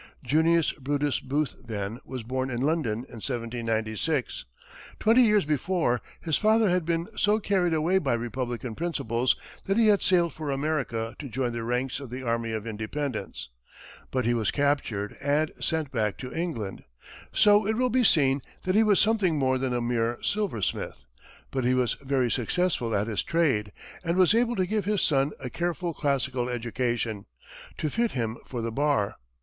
Junius Brutus Booth, then, was born in London in 1796. Twenty years before, his father had been so carried away by Republican principles that he had sailed for America to join the ranks of the army of independence, but he was captured and sent back to England. So it will be seen that he was something more than a mere silversmith; but he was very successful at his trade, and was able to give his son a careful classical education, to fit him for the bar.